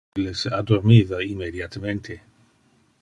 Ille se addormiva immediatemente.